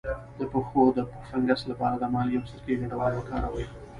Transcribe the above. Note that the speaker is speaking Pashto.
د پښو د فنګس لپاره د مالګې او سرکې ګډول وکاروئ